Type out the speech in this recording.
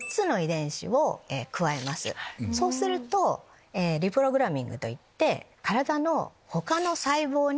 そうするとリプログラミングといって。